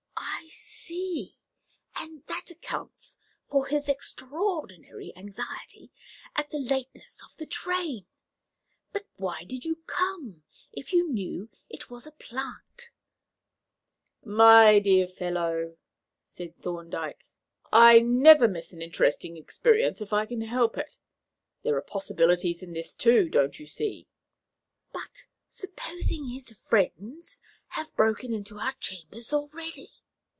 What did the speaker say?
"I see; and that accounts for his extraordinary anxiety at the lateness of the train. But why did you come, if you knew it was a 'plant'?" "My dear fellow," said Thorndyke, "I never miss an interesting experience if I can help it. There are possibilities in this, too, don't you see?" "But supposing his friends have broken into our chambers already?"